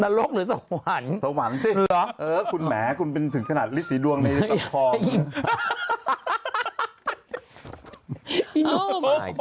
รกหรือสวรรค์สวรรค์สิคุณแหมคุณเป็นถึงขนาดฤทธีดวงในปีทอง